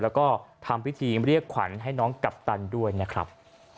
แล้วก็ทำพิธีเรียกขวัญให้น้องกัปตันด้วยนะครับ